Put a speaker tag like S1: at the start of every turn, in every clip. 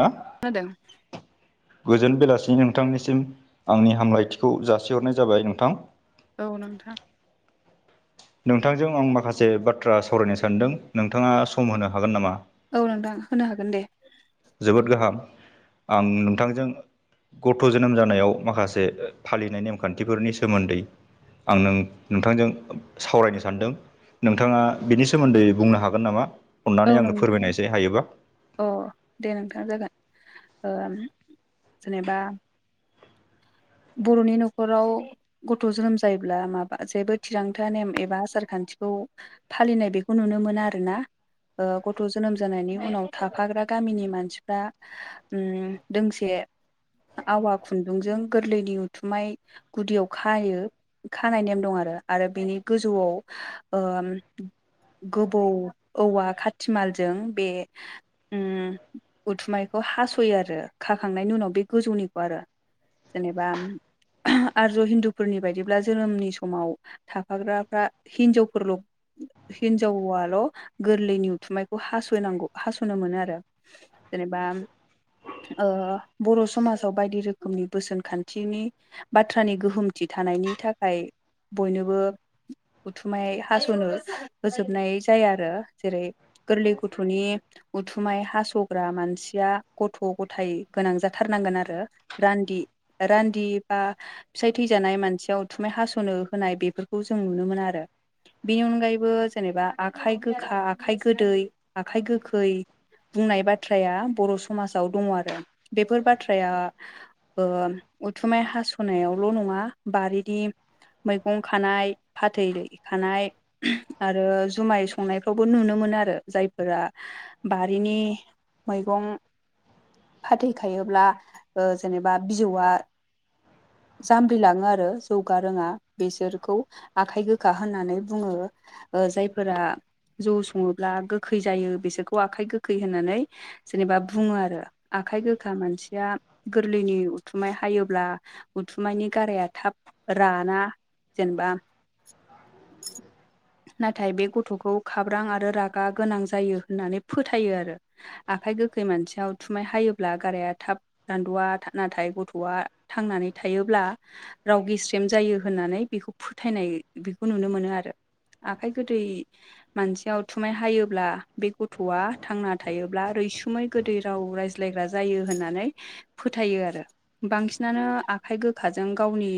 S1: हा
S2: खोनादों
S1: गोजोन बेलासि नोंथांनिसिम आंनि हामलायथिखौ जासिहरनाय जाबाय नोंथां
S2: औ नोंथां
S1: नोंथांजों आं माखासे बाथ्रा सावरायनो सानदों नोंथाङा सम होनो हागोन नामा
S2: औ नोंदां होनो हागोन दे
S1: जोबोद गाहाम आं नोंथांजों गथ' जोनोम जानायाव माखासे फालिनाय नेमखान्थिफोरनि सोमोन्दै आं नों नोंथांजों सावरायनो सानदों नोंथाङा बिनि सोमोन्दै बुंनो हागोन नामा
S2: औ
S1: अननानै आंनो
S2: नोंथां
S1: फोरमायनायसै हायोबा
S2: अ दे नोंथाङा जागोन जेनेबा बर'नि न'खराव गथ' जोनोम जायोब्ला माबा जेबो थिरांथा नेम एबा आसारखान्थिखौ फालिनाय बेखौ नुनो मोनो आरो ना गथ' जोनोम जानायनि उनाव थाफाग्रा गामिनि मानसिफ्रा उम दोंसे आवा खुन्दुंजों गोरलैनि उथुमाय गुदियाव खायो। खानाय नेम दं आरो आरो बिनि गोजौआव ओ गोबौ औवा खाथिमालाजों बे उम उथुमायखौ हास'यो आरो खाखांनायनि उनाव बे गोजौनिखौ आरो। जेनेबा आरज' हिन्दुफोरनि बायदिब्ला जोनोमनि समाव थाफाग्राफ्रा हिनजावफोरल' हिनजावाल' गोरलैनि उथुमायखौ हास'नांगौ हास'नो मोनो आरो। जेनेबा ओ बर' समाजाव बायदि रोखोमनि बोसोन खान्थिनि बाथ्रानि गोहोमथि थानायनि थाखाय बयनोबो उथुमाय हास'नो होजोबनाय जाया आरो जेरै गोरलै गथ'नि उथुमाय हास'ग्रा मानसिया गथ' गथाय गोनां जाथारनांगोन आरो। रान्दि रान्दि बा फिसाय थैजानाय मानसियाव थुमाय हास'नो होनाय बेफोरखौ जों नुनो मोनो आरो। बेनि अनगायैबो जेनेबा आखाइ गोखा आखाइ गोदै आखाइ गोखै बुंनाय बाथ्राया बर' समाजाव दङ आरो। बेफोर बाथ्राया ओ उथुमाय हास'नायावल' नङा बारिनि मैगं खानाय फाथै खानाय आरो जुमाय संनायफ्रावबो नुनो मोनो आरो जायफोरा बारिनि मैगं फाथैखायोब्ला जेने बा बिजौआ जामलिलाङो आरो जौगा रोङा बेसोरखौ आखाइ गोखा होननानै बुङो। जायफोरा जौ सङोब्ला गोखै जायो बिसोरखौ आखाइ गोखै होननानै जेनेबा बुङो आरो आखाइ गोखा मानसिया गोरलैनि उथुमाय हायोब्ला उथुमानि गाराया थाब राना। जेनेबा नाथाय बे गथ'खौ खाब्रां आरो रागा गोनां जायो होननानै फोथायो आरो। आखाइ गोखै मानसियाव उथुमाइ हायोब्ला गाराया थाब रानद'वा नाथाय गथ'आ थांनानै थायोब्ला राव गेस्रम जायो होननानै बेखौ फोथायनाय बेखौ नुनो मोनो आरो। आखाइ गोदै मानसियाव उथुमाय हायोब्ला बे गथ'आ थांना थायोब्ला रैसुमै गोदै राव रायज्लायग्रा जायो होननानै फोथायो आरो बांसिनानो आखाइ गोखाजों गावनि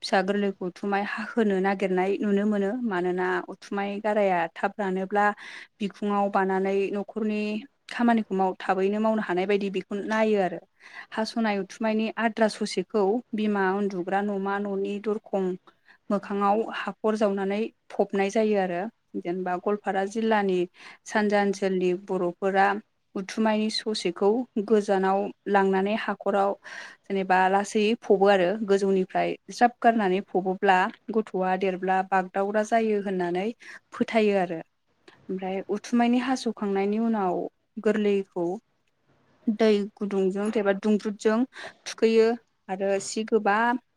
S2: फिसा गोरलैखौ उथुमाय हाहोनो नागिरनाय नुनो मोनो मानोना उथुमाय गाराया थाब रानोब्ला बिखुङाव बानानै न'खरनि खामानिखौ माव थाबैनो मावनो हानाय बायदि बेखौ नायो आरो। हास'नाय उथुमनायनि आद्रा ससेखौ बिमा उन्दुग्रा न'मा न'नि दरखं मोखाङाव हाखर जावनानै फबनाय जायो आरो। जेनेबा गवालपारा जिल्लानि सानजा ओनसोलनि बर'फोरा उथुमायनि ससेखौ गोजानाव लांनानै हाखराव जेनेबा लासै फबो आरो। गोजौनिफ्राय ज्राब गारनानै फबोब्ला गथ'आ देरब्ला बागदावग्रा जायो होननानै फोथायो आरो। ओमफ्राय उथुमायनि हास'खांनायनि उनाव गोरलैखौ दै गुदुंजों एबा दुंब्रुदजों थुखैयो आरो सि गोबा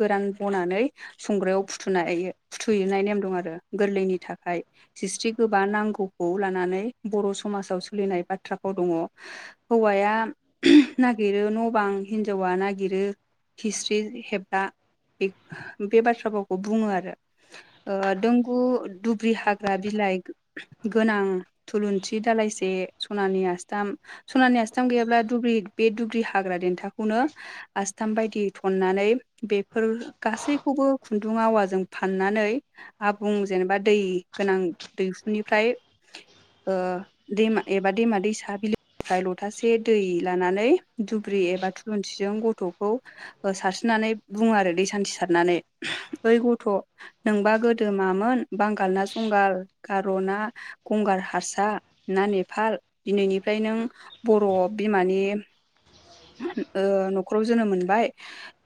S2: गोरान बनानै संग्रायाव फुथुनाय फुथुयैनाय नेम दं आरो गोरलैनि थाखाय। जिस्रि गोबा नांगौखौ लानानै बर' समाजाव सोलिनाय बाथ्रा भाव दङ हौवाया नागिरो न' बां हिनजावा नागिरो हिस्ट्रि हेब्रा बे बे बाथ्रा भावखौ बुङो आरो दोंगु दुब्रि हाग्रा बिलाइ गोनां थुलुंसि दालाइसे सनानि आस्थाम सनानि आस्थाम गैयाब्ला दुब्रि बे दुुब्रि हा हाग्रा देन्थाखौनो आसथाम बायदि थननानै बेफोर गासैखौबो खुन्दुं आवाजों फाननानै आबुं जेनेबा दै गोनां दैहुनिफ्राय दैमा एबा दैमा दैसा बिलोनिफाय लथासे दै लानानै दुब्रि एबा थुलुंसिजों गथ'खौ सारस्रिनानै बुङो आरो दै सान्थि सारनानै ओइ गथ' नोंबा गोदो मामोन बांगाल ना जंगाल गार'ना गंगार हारसा ना नेपाल दिनैनिफ्राय नों बर' बिमानि न'खराव जोनोम मोनबाय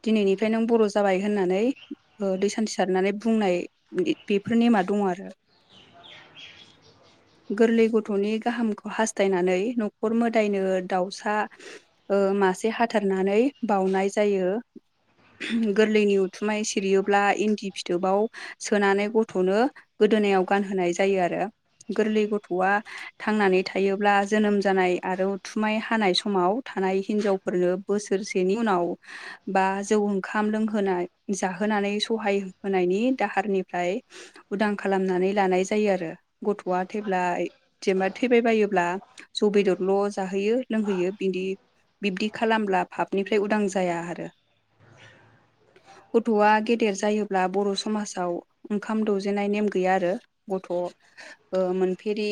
S2: दिनैनिफ्राय नों बर' जाबाय होननानै दै सान्थि सारनानै बुंनाय बेफोर नेमा दङ आरो
S1: [inaudible]
S2: गोरलै गथ'नि गाहामखौ हास्थायनानै न'खर मोदायनो दाउसा मासे हाथारनानै बाउनाय जायो गोरलैनि उथुमाय सिरियोब्ला इन्दि फिथोबाव सोनानै गथ'नो गोदोनायाव गानहोनाय जायो आरो गोरलै गथ'आ थांनानै थायोब्ला जोनोम जानाय आरो उथुमाय हानाय समाव थानाय हिनजावफोरनो बोसोरसेनि उनाव बा जौ ओंखाम लोंहोनाय जाहोनानै सहाय होनायनि दाहारनिफ्राय उदां खालामनानै लानाय जायो आरो गथ'आ थैब्ला जेनेबा थैबायबायोब्ला जौ बेदरल' जाहोयो लोंहोयो बिदि बिब्दि खालामब्ला फाबनिफ्राय उदां जाया आरो
S1: [inaudible]
S2: गथ'आ गेदेर जायोब्ला बर' समाजाव ओंखाम दौजेनाय नेम गैया आरो गथ' मोनफेरि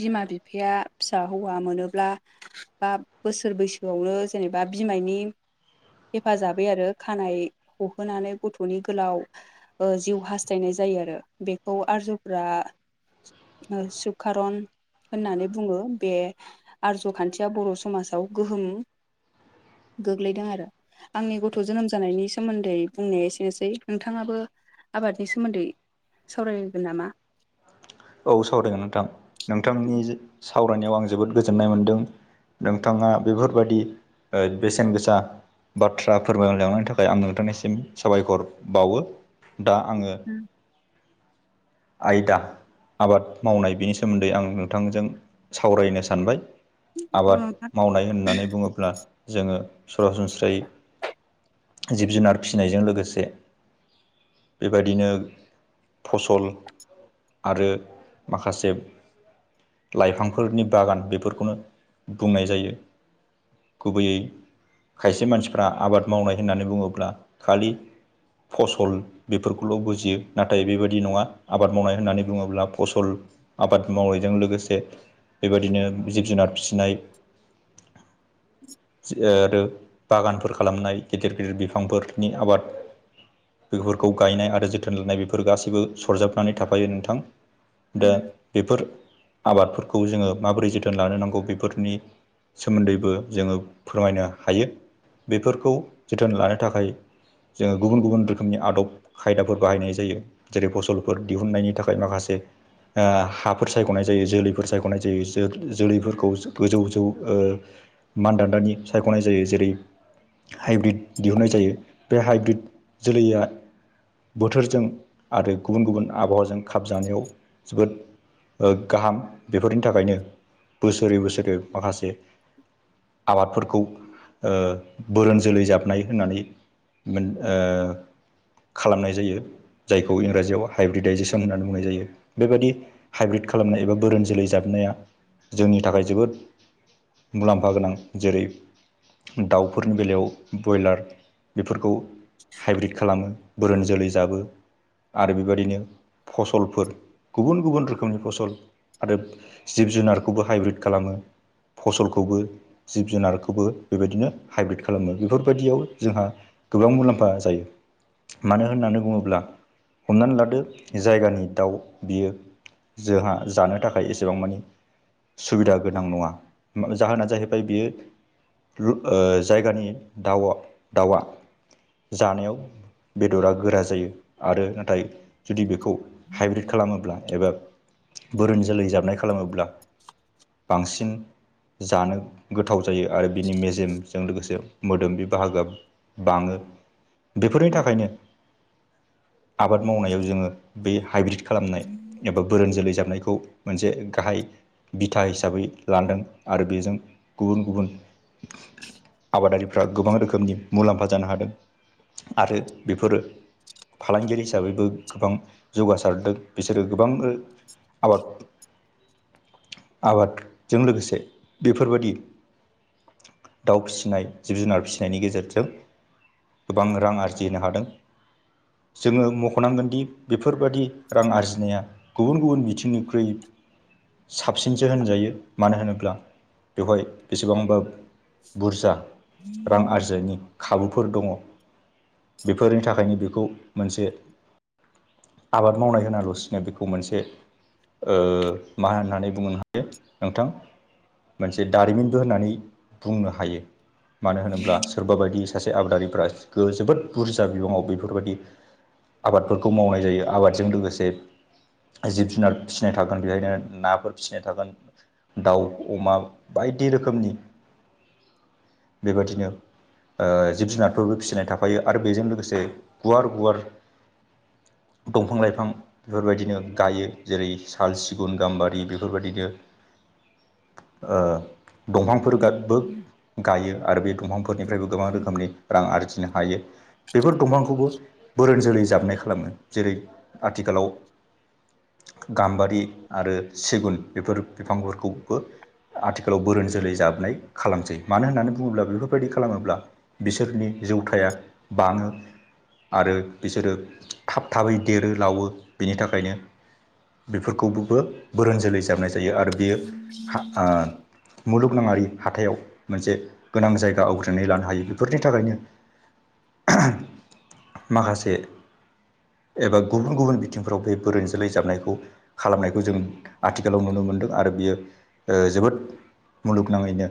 S2: बिमा बिफाया फिसा हौवा मोनोब्ला बा बोसोर बैसोआवनो जेनेबा बिमानि हेफाजाबै आरो खानाय ह'होनानै गथ'नि गोलाव जिउ हास्थायनाय जायो आरो बेखौ आरजुफ्रा सुकारन होननानै बुङो बे आरज' खान्थिया बर' समाजाव गोहोम गोग्लैदों आरो आंनि गथ' जोनोम जानायनि सोमोन्दै बुंनाया एसेनोसै नोंथाङाबो आबादनि सोमोन्दै सावरायगोन नामा
S1: औ सावरायगोन नोंथां नोंथांनि सावरायनायाव आं जोबोद गोजोननाय मोनदों नोंथाङा बेफोरबायदि बेसेन गोसा बाथ्रा फोरमायलांनायनि थाखाय आं नोंथांनिसिम साबायखर बावो दा आङो
S2: उम
S1: आयदा आबाद मावनाय बेनि सोमोन्दै आं नोंथांजों सावरायनो सानबाय आबाद मावनाय होननानै बुङोब्ला जोङो सरासनस्रायै जिब जुनार फिसिनायजों लोगोसे बेबायदिनो फसल आरो माखासे लाइफांफोरनि बागान बेफोरखौनो बुंनाय जायो। गुबैयै खायसे मानसिफ्रा आबाद मावनाय होननानै बुङोब्ला खालि फसल बेफोरखौल' बुजियो नाथाय बेबायदि नङा आबाद मावनाय होननानै बुङोब्ला फसल आबाद मावनायजों लोगोसे बेबायदिनो जिब जुनार फिसिनाय
S2: [inaudible]
S1: आरो बागानफोर खालामनाय गिदिर गिदिर बिफांफोरनि आबाद बेफोरखौ गायनाय आरो जोथोन लानाय बेफोर गासैबो सरजाबनानै थाफायो नोंथां दा
S2: उम
S1: बेफोर आबादफोरखौ जोङो माबोरै जोथोन लानो नांगौ बेफोरनि सोमोन्दैबो जोङो फोरमायनो हायो बेफोरखौ जोथोन लानो थाखाय जोङो गुबुन गुबुन रोखोमनि आदब खायदाफोर बाहायनाय जायो जेरै फसलफोर दिहुननायनि थाखाय माखासे हाफोर सायख'नाय जायो जोलैफोर सायख'नाय जायो जो जोलैफोरखौ गोजौ जौ मानदान्दानि सायख'नाय जायो जेरै हाइब्रिद दिहुननाय जायो बे हाइब्रिद जोलैया बोथोरजों आरो गुबुन गुबुन आबहावाजों खाबजानायाव जोबोद गाहाम बेफोरनि थाखायनो बोसोरै बोसोरै माखासे
S2: [inaudible]
S1: आबादफोरखौ बोरोन जोलै जाबनाय होननानै मोन ओ खालामनाय जायो जायखौ इंराजियाव हाइब्रिटाइजेसन होननानै बुंनाय जायो बेबायादि हाइब्रिद खालामनाय एबा बोरोन जोलै जाबनाया जोंनि थाखाय जोबोद मुलाम्फा गोनां जेरै दाउफोरनि बेलायाव ब्रयलार बेफोरखौ
S2: [inaudible]
S1: हाइब्रिट खालामो बोरोन जोलै जाबो आरो बेबायदिनो फसलफोर गुबुन गुबुन रोखोमनि फसल आरो जिब जुनारखौबो हाइब्रिद खालामो फसलखौबो जिब जुनारखौबो बेबायदिनो हाइब्रिद खालामो बेफोरबायदियाव जोंहा गोबां मुलाम्फा जायो मानो होननानै बुङोब्ला हमनानै लादो जायगानि दाउ बियो जोंहा जानो थाखाय एसेबां मानि सुबिदा गोनां नङा जाहोना जाहैबाय बियो जायगानि दाउ दाउवा जानायाव बेदरा गोरा जायो आरो नाथाय जुदि बेखौ हाइब्रिद खालामोब्ला एबा बोरोन जोलै जाबनाय खालामोब्ला बांसिन जानो गोथाव जायो आरो बिनि मेजेमजों लोगोसे मोदोम बे बाहागोआ बाङो बेफोरनि थाखायनो आबाद मावनायाव जोङो बै हाइब्रिद खालामनाय एबा बोरोन जोलै जाबनायखौ मोनसे गाहाय बिथा हिसाबै लांदों आरो बेजों गुबुन गुबुन आबादारिफ्रा गोबां रोखोमनि मुलाम्फा जानो हादों आरो बेफोरो फालांगिरि हिसाबैबो गोबां जौगासारदों बिसोरो गोबां आबाद आबादजों लोगोसे बेफोरबायदि दाउ फिसिनाय जिब जुनार फिसिनायनि गेजेरजों गोबां रां आरजिनो हादों जोङो मख'नांगोनदि बेफोरबायदि रां आरजिनाया गुबुन गुबुन बिथिंनिख्रुइ साबसिनसो होनजायो मानो होनोब्ला बेवहाय बेसेबांबा बुरजा रां आरजिनायनि खाबुफोर दङ बेफोरनि थाखायनो बेखौ मोनसे आबाद मावनाय होनालासिनो बेखौ मोनसे मा होननानै बुंनो हायो नोंथां मोनसे दारिमिनबो होननानै बुंनो हायो मानो होनोब्ला सोरबा बायदि सासे आबादारिफ्रा जोबोद बुरजा बिबाङाव बेफोरबायदि आबादफोरखौ मावनाय जायो आबाद जों लोगोसे जिब जुनार फिसिनाय थागोन बेहायनो नाफोर फिसिनाय थागोन। दाउ अमा बायदि रोखोमनि बेबायदिनो ओ जिब जुनारफोरबो फिसिनाय थाफायो आरो बेजों लोगोसे गुवार गुवार दंफां लाइफां बेफोरबायदिनो गायो जेरै साल सिगुन गाम्बारि बेफोरबायदिनो ओ दंफांफोर कादबो गायो आरो बे दंफांफोरनिफ्रायबो गोबां रोखोमनि रां आरजिनो हायो। बेफोर दंफांखौबो बोरोन जोलै जाबनाय खालामो जेरै आथिखालाव गाम्बारि आरो सिगुन बेफोर बिफांफोरखौबो आथिखालाव बोरोन जोलै जाबनाय खालामसै मानो होननानै बुङोब्ला बेफोरबायदि खालामोब्ला बिसोरनि जौथाइया बाङो आरो बिसोरो थाब थाबै देरो लावो बेनि थाखायनो बेफोरखौबो बोरोन जोलै जाबनायजों यो आरो बेयो ओ मुलुगनाङारि हाथायाव मोनसे गोनां जायगा आवग्रिनानै लानो हायो बेफोरनि थाखायनो माखासे एबा गुबुन गुबुन बिथिंफोराव बबोरोन जोलै जाबनायखौ खालामनायखो जों आथिखालाव नुनो मोनदों आरो बियो ओ जोबोद मुलुगनाङैनो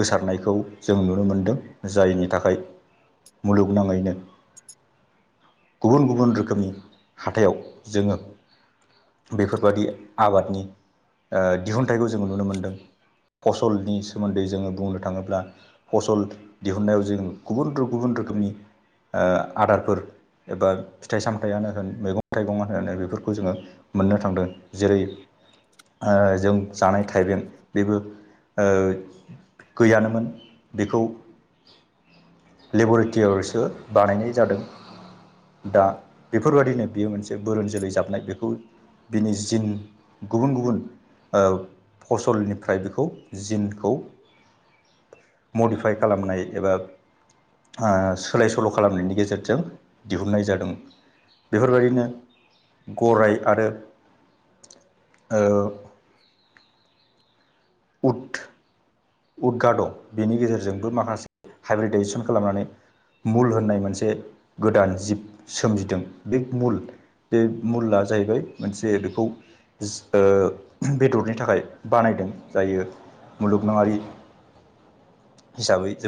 S1: गोसारनायखौ जों नुनो मोनदों जायनि थाखाय मुलुगनाङैनो गुबुन गुबुन रोखोमनि हाथायाव जोङो बेफोरबादि आबादनि ओ दिहुुनथाइखौ जोङो नुनो मोनदों। फसलनि सोमोन्दै जोङो बुंनो थाङोब्ला फसल दिहुनन्नायाव जों गुबुन गुबुन रोखोमनि ओ आदारफोर एबा फिथाइ सामथाइयानो होन मैगं थाइगङानो होन बेफोरखौ जोङो मोननो थांदों जेरै ओ जों जानाय थाइबें बेबो ओ गैयानोमोन बेखौ लेबरेटरियावसो बानायनाय जादों। दा बेफोरबायदिनो बेयो मोनसे बोरोन जोलै जाबनाय बेखौ बिनि जिन गुबुन गुबुन ओ फसलनिफ्राय बेखौ जिनखौ मडिफाइ खालामनाय एबा ओ सोलाय सोल' खालामनायनि गेजेरजों दिहुननाय जादों। बेफोरबायदिनो गराइ आरो ओ उद उदगाद बेनि गेजेरजोंबो माखासे हाइब्रिदाइेसन खालामनानै उल होननाय मोनसे गोदान जिब सोमजिदों बे उल बे मुलआ जाहैबाय मोनसे बेखौ ओ बेदरनि थाखाय बानायदों जायो मुलुगनाङारि हिसाबै जोबोद